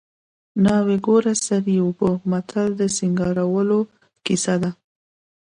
ناوې ګوره سر یې اوبه متل د سینګارولو کیسه ده